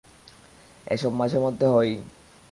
এসব মাঝেমধ্যে হয়ই!